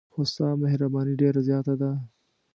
خو ستا مهرباني ډېره زیاته ده.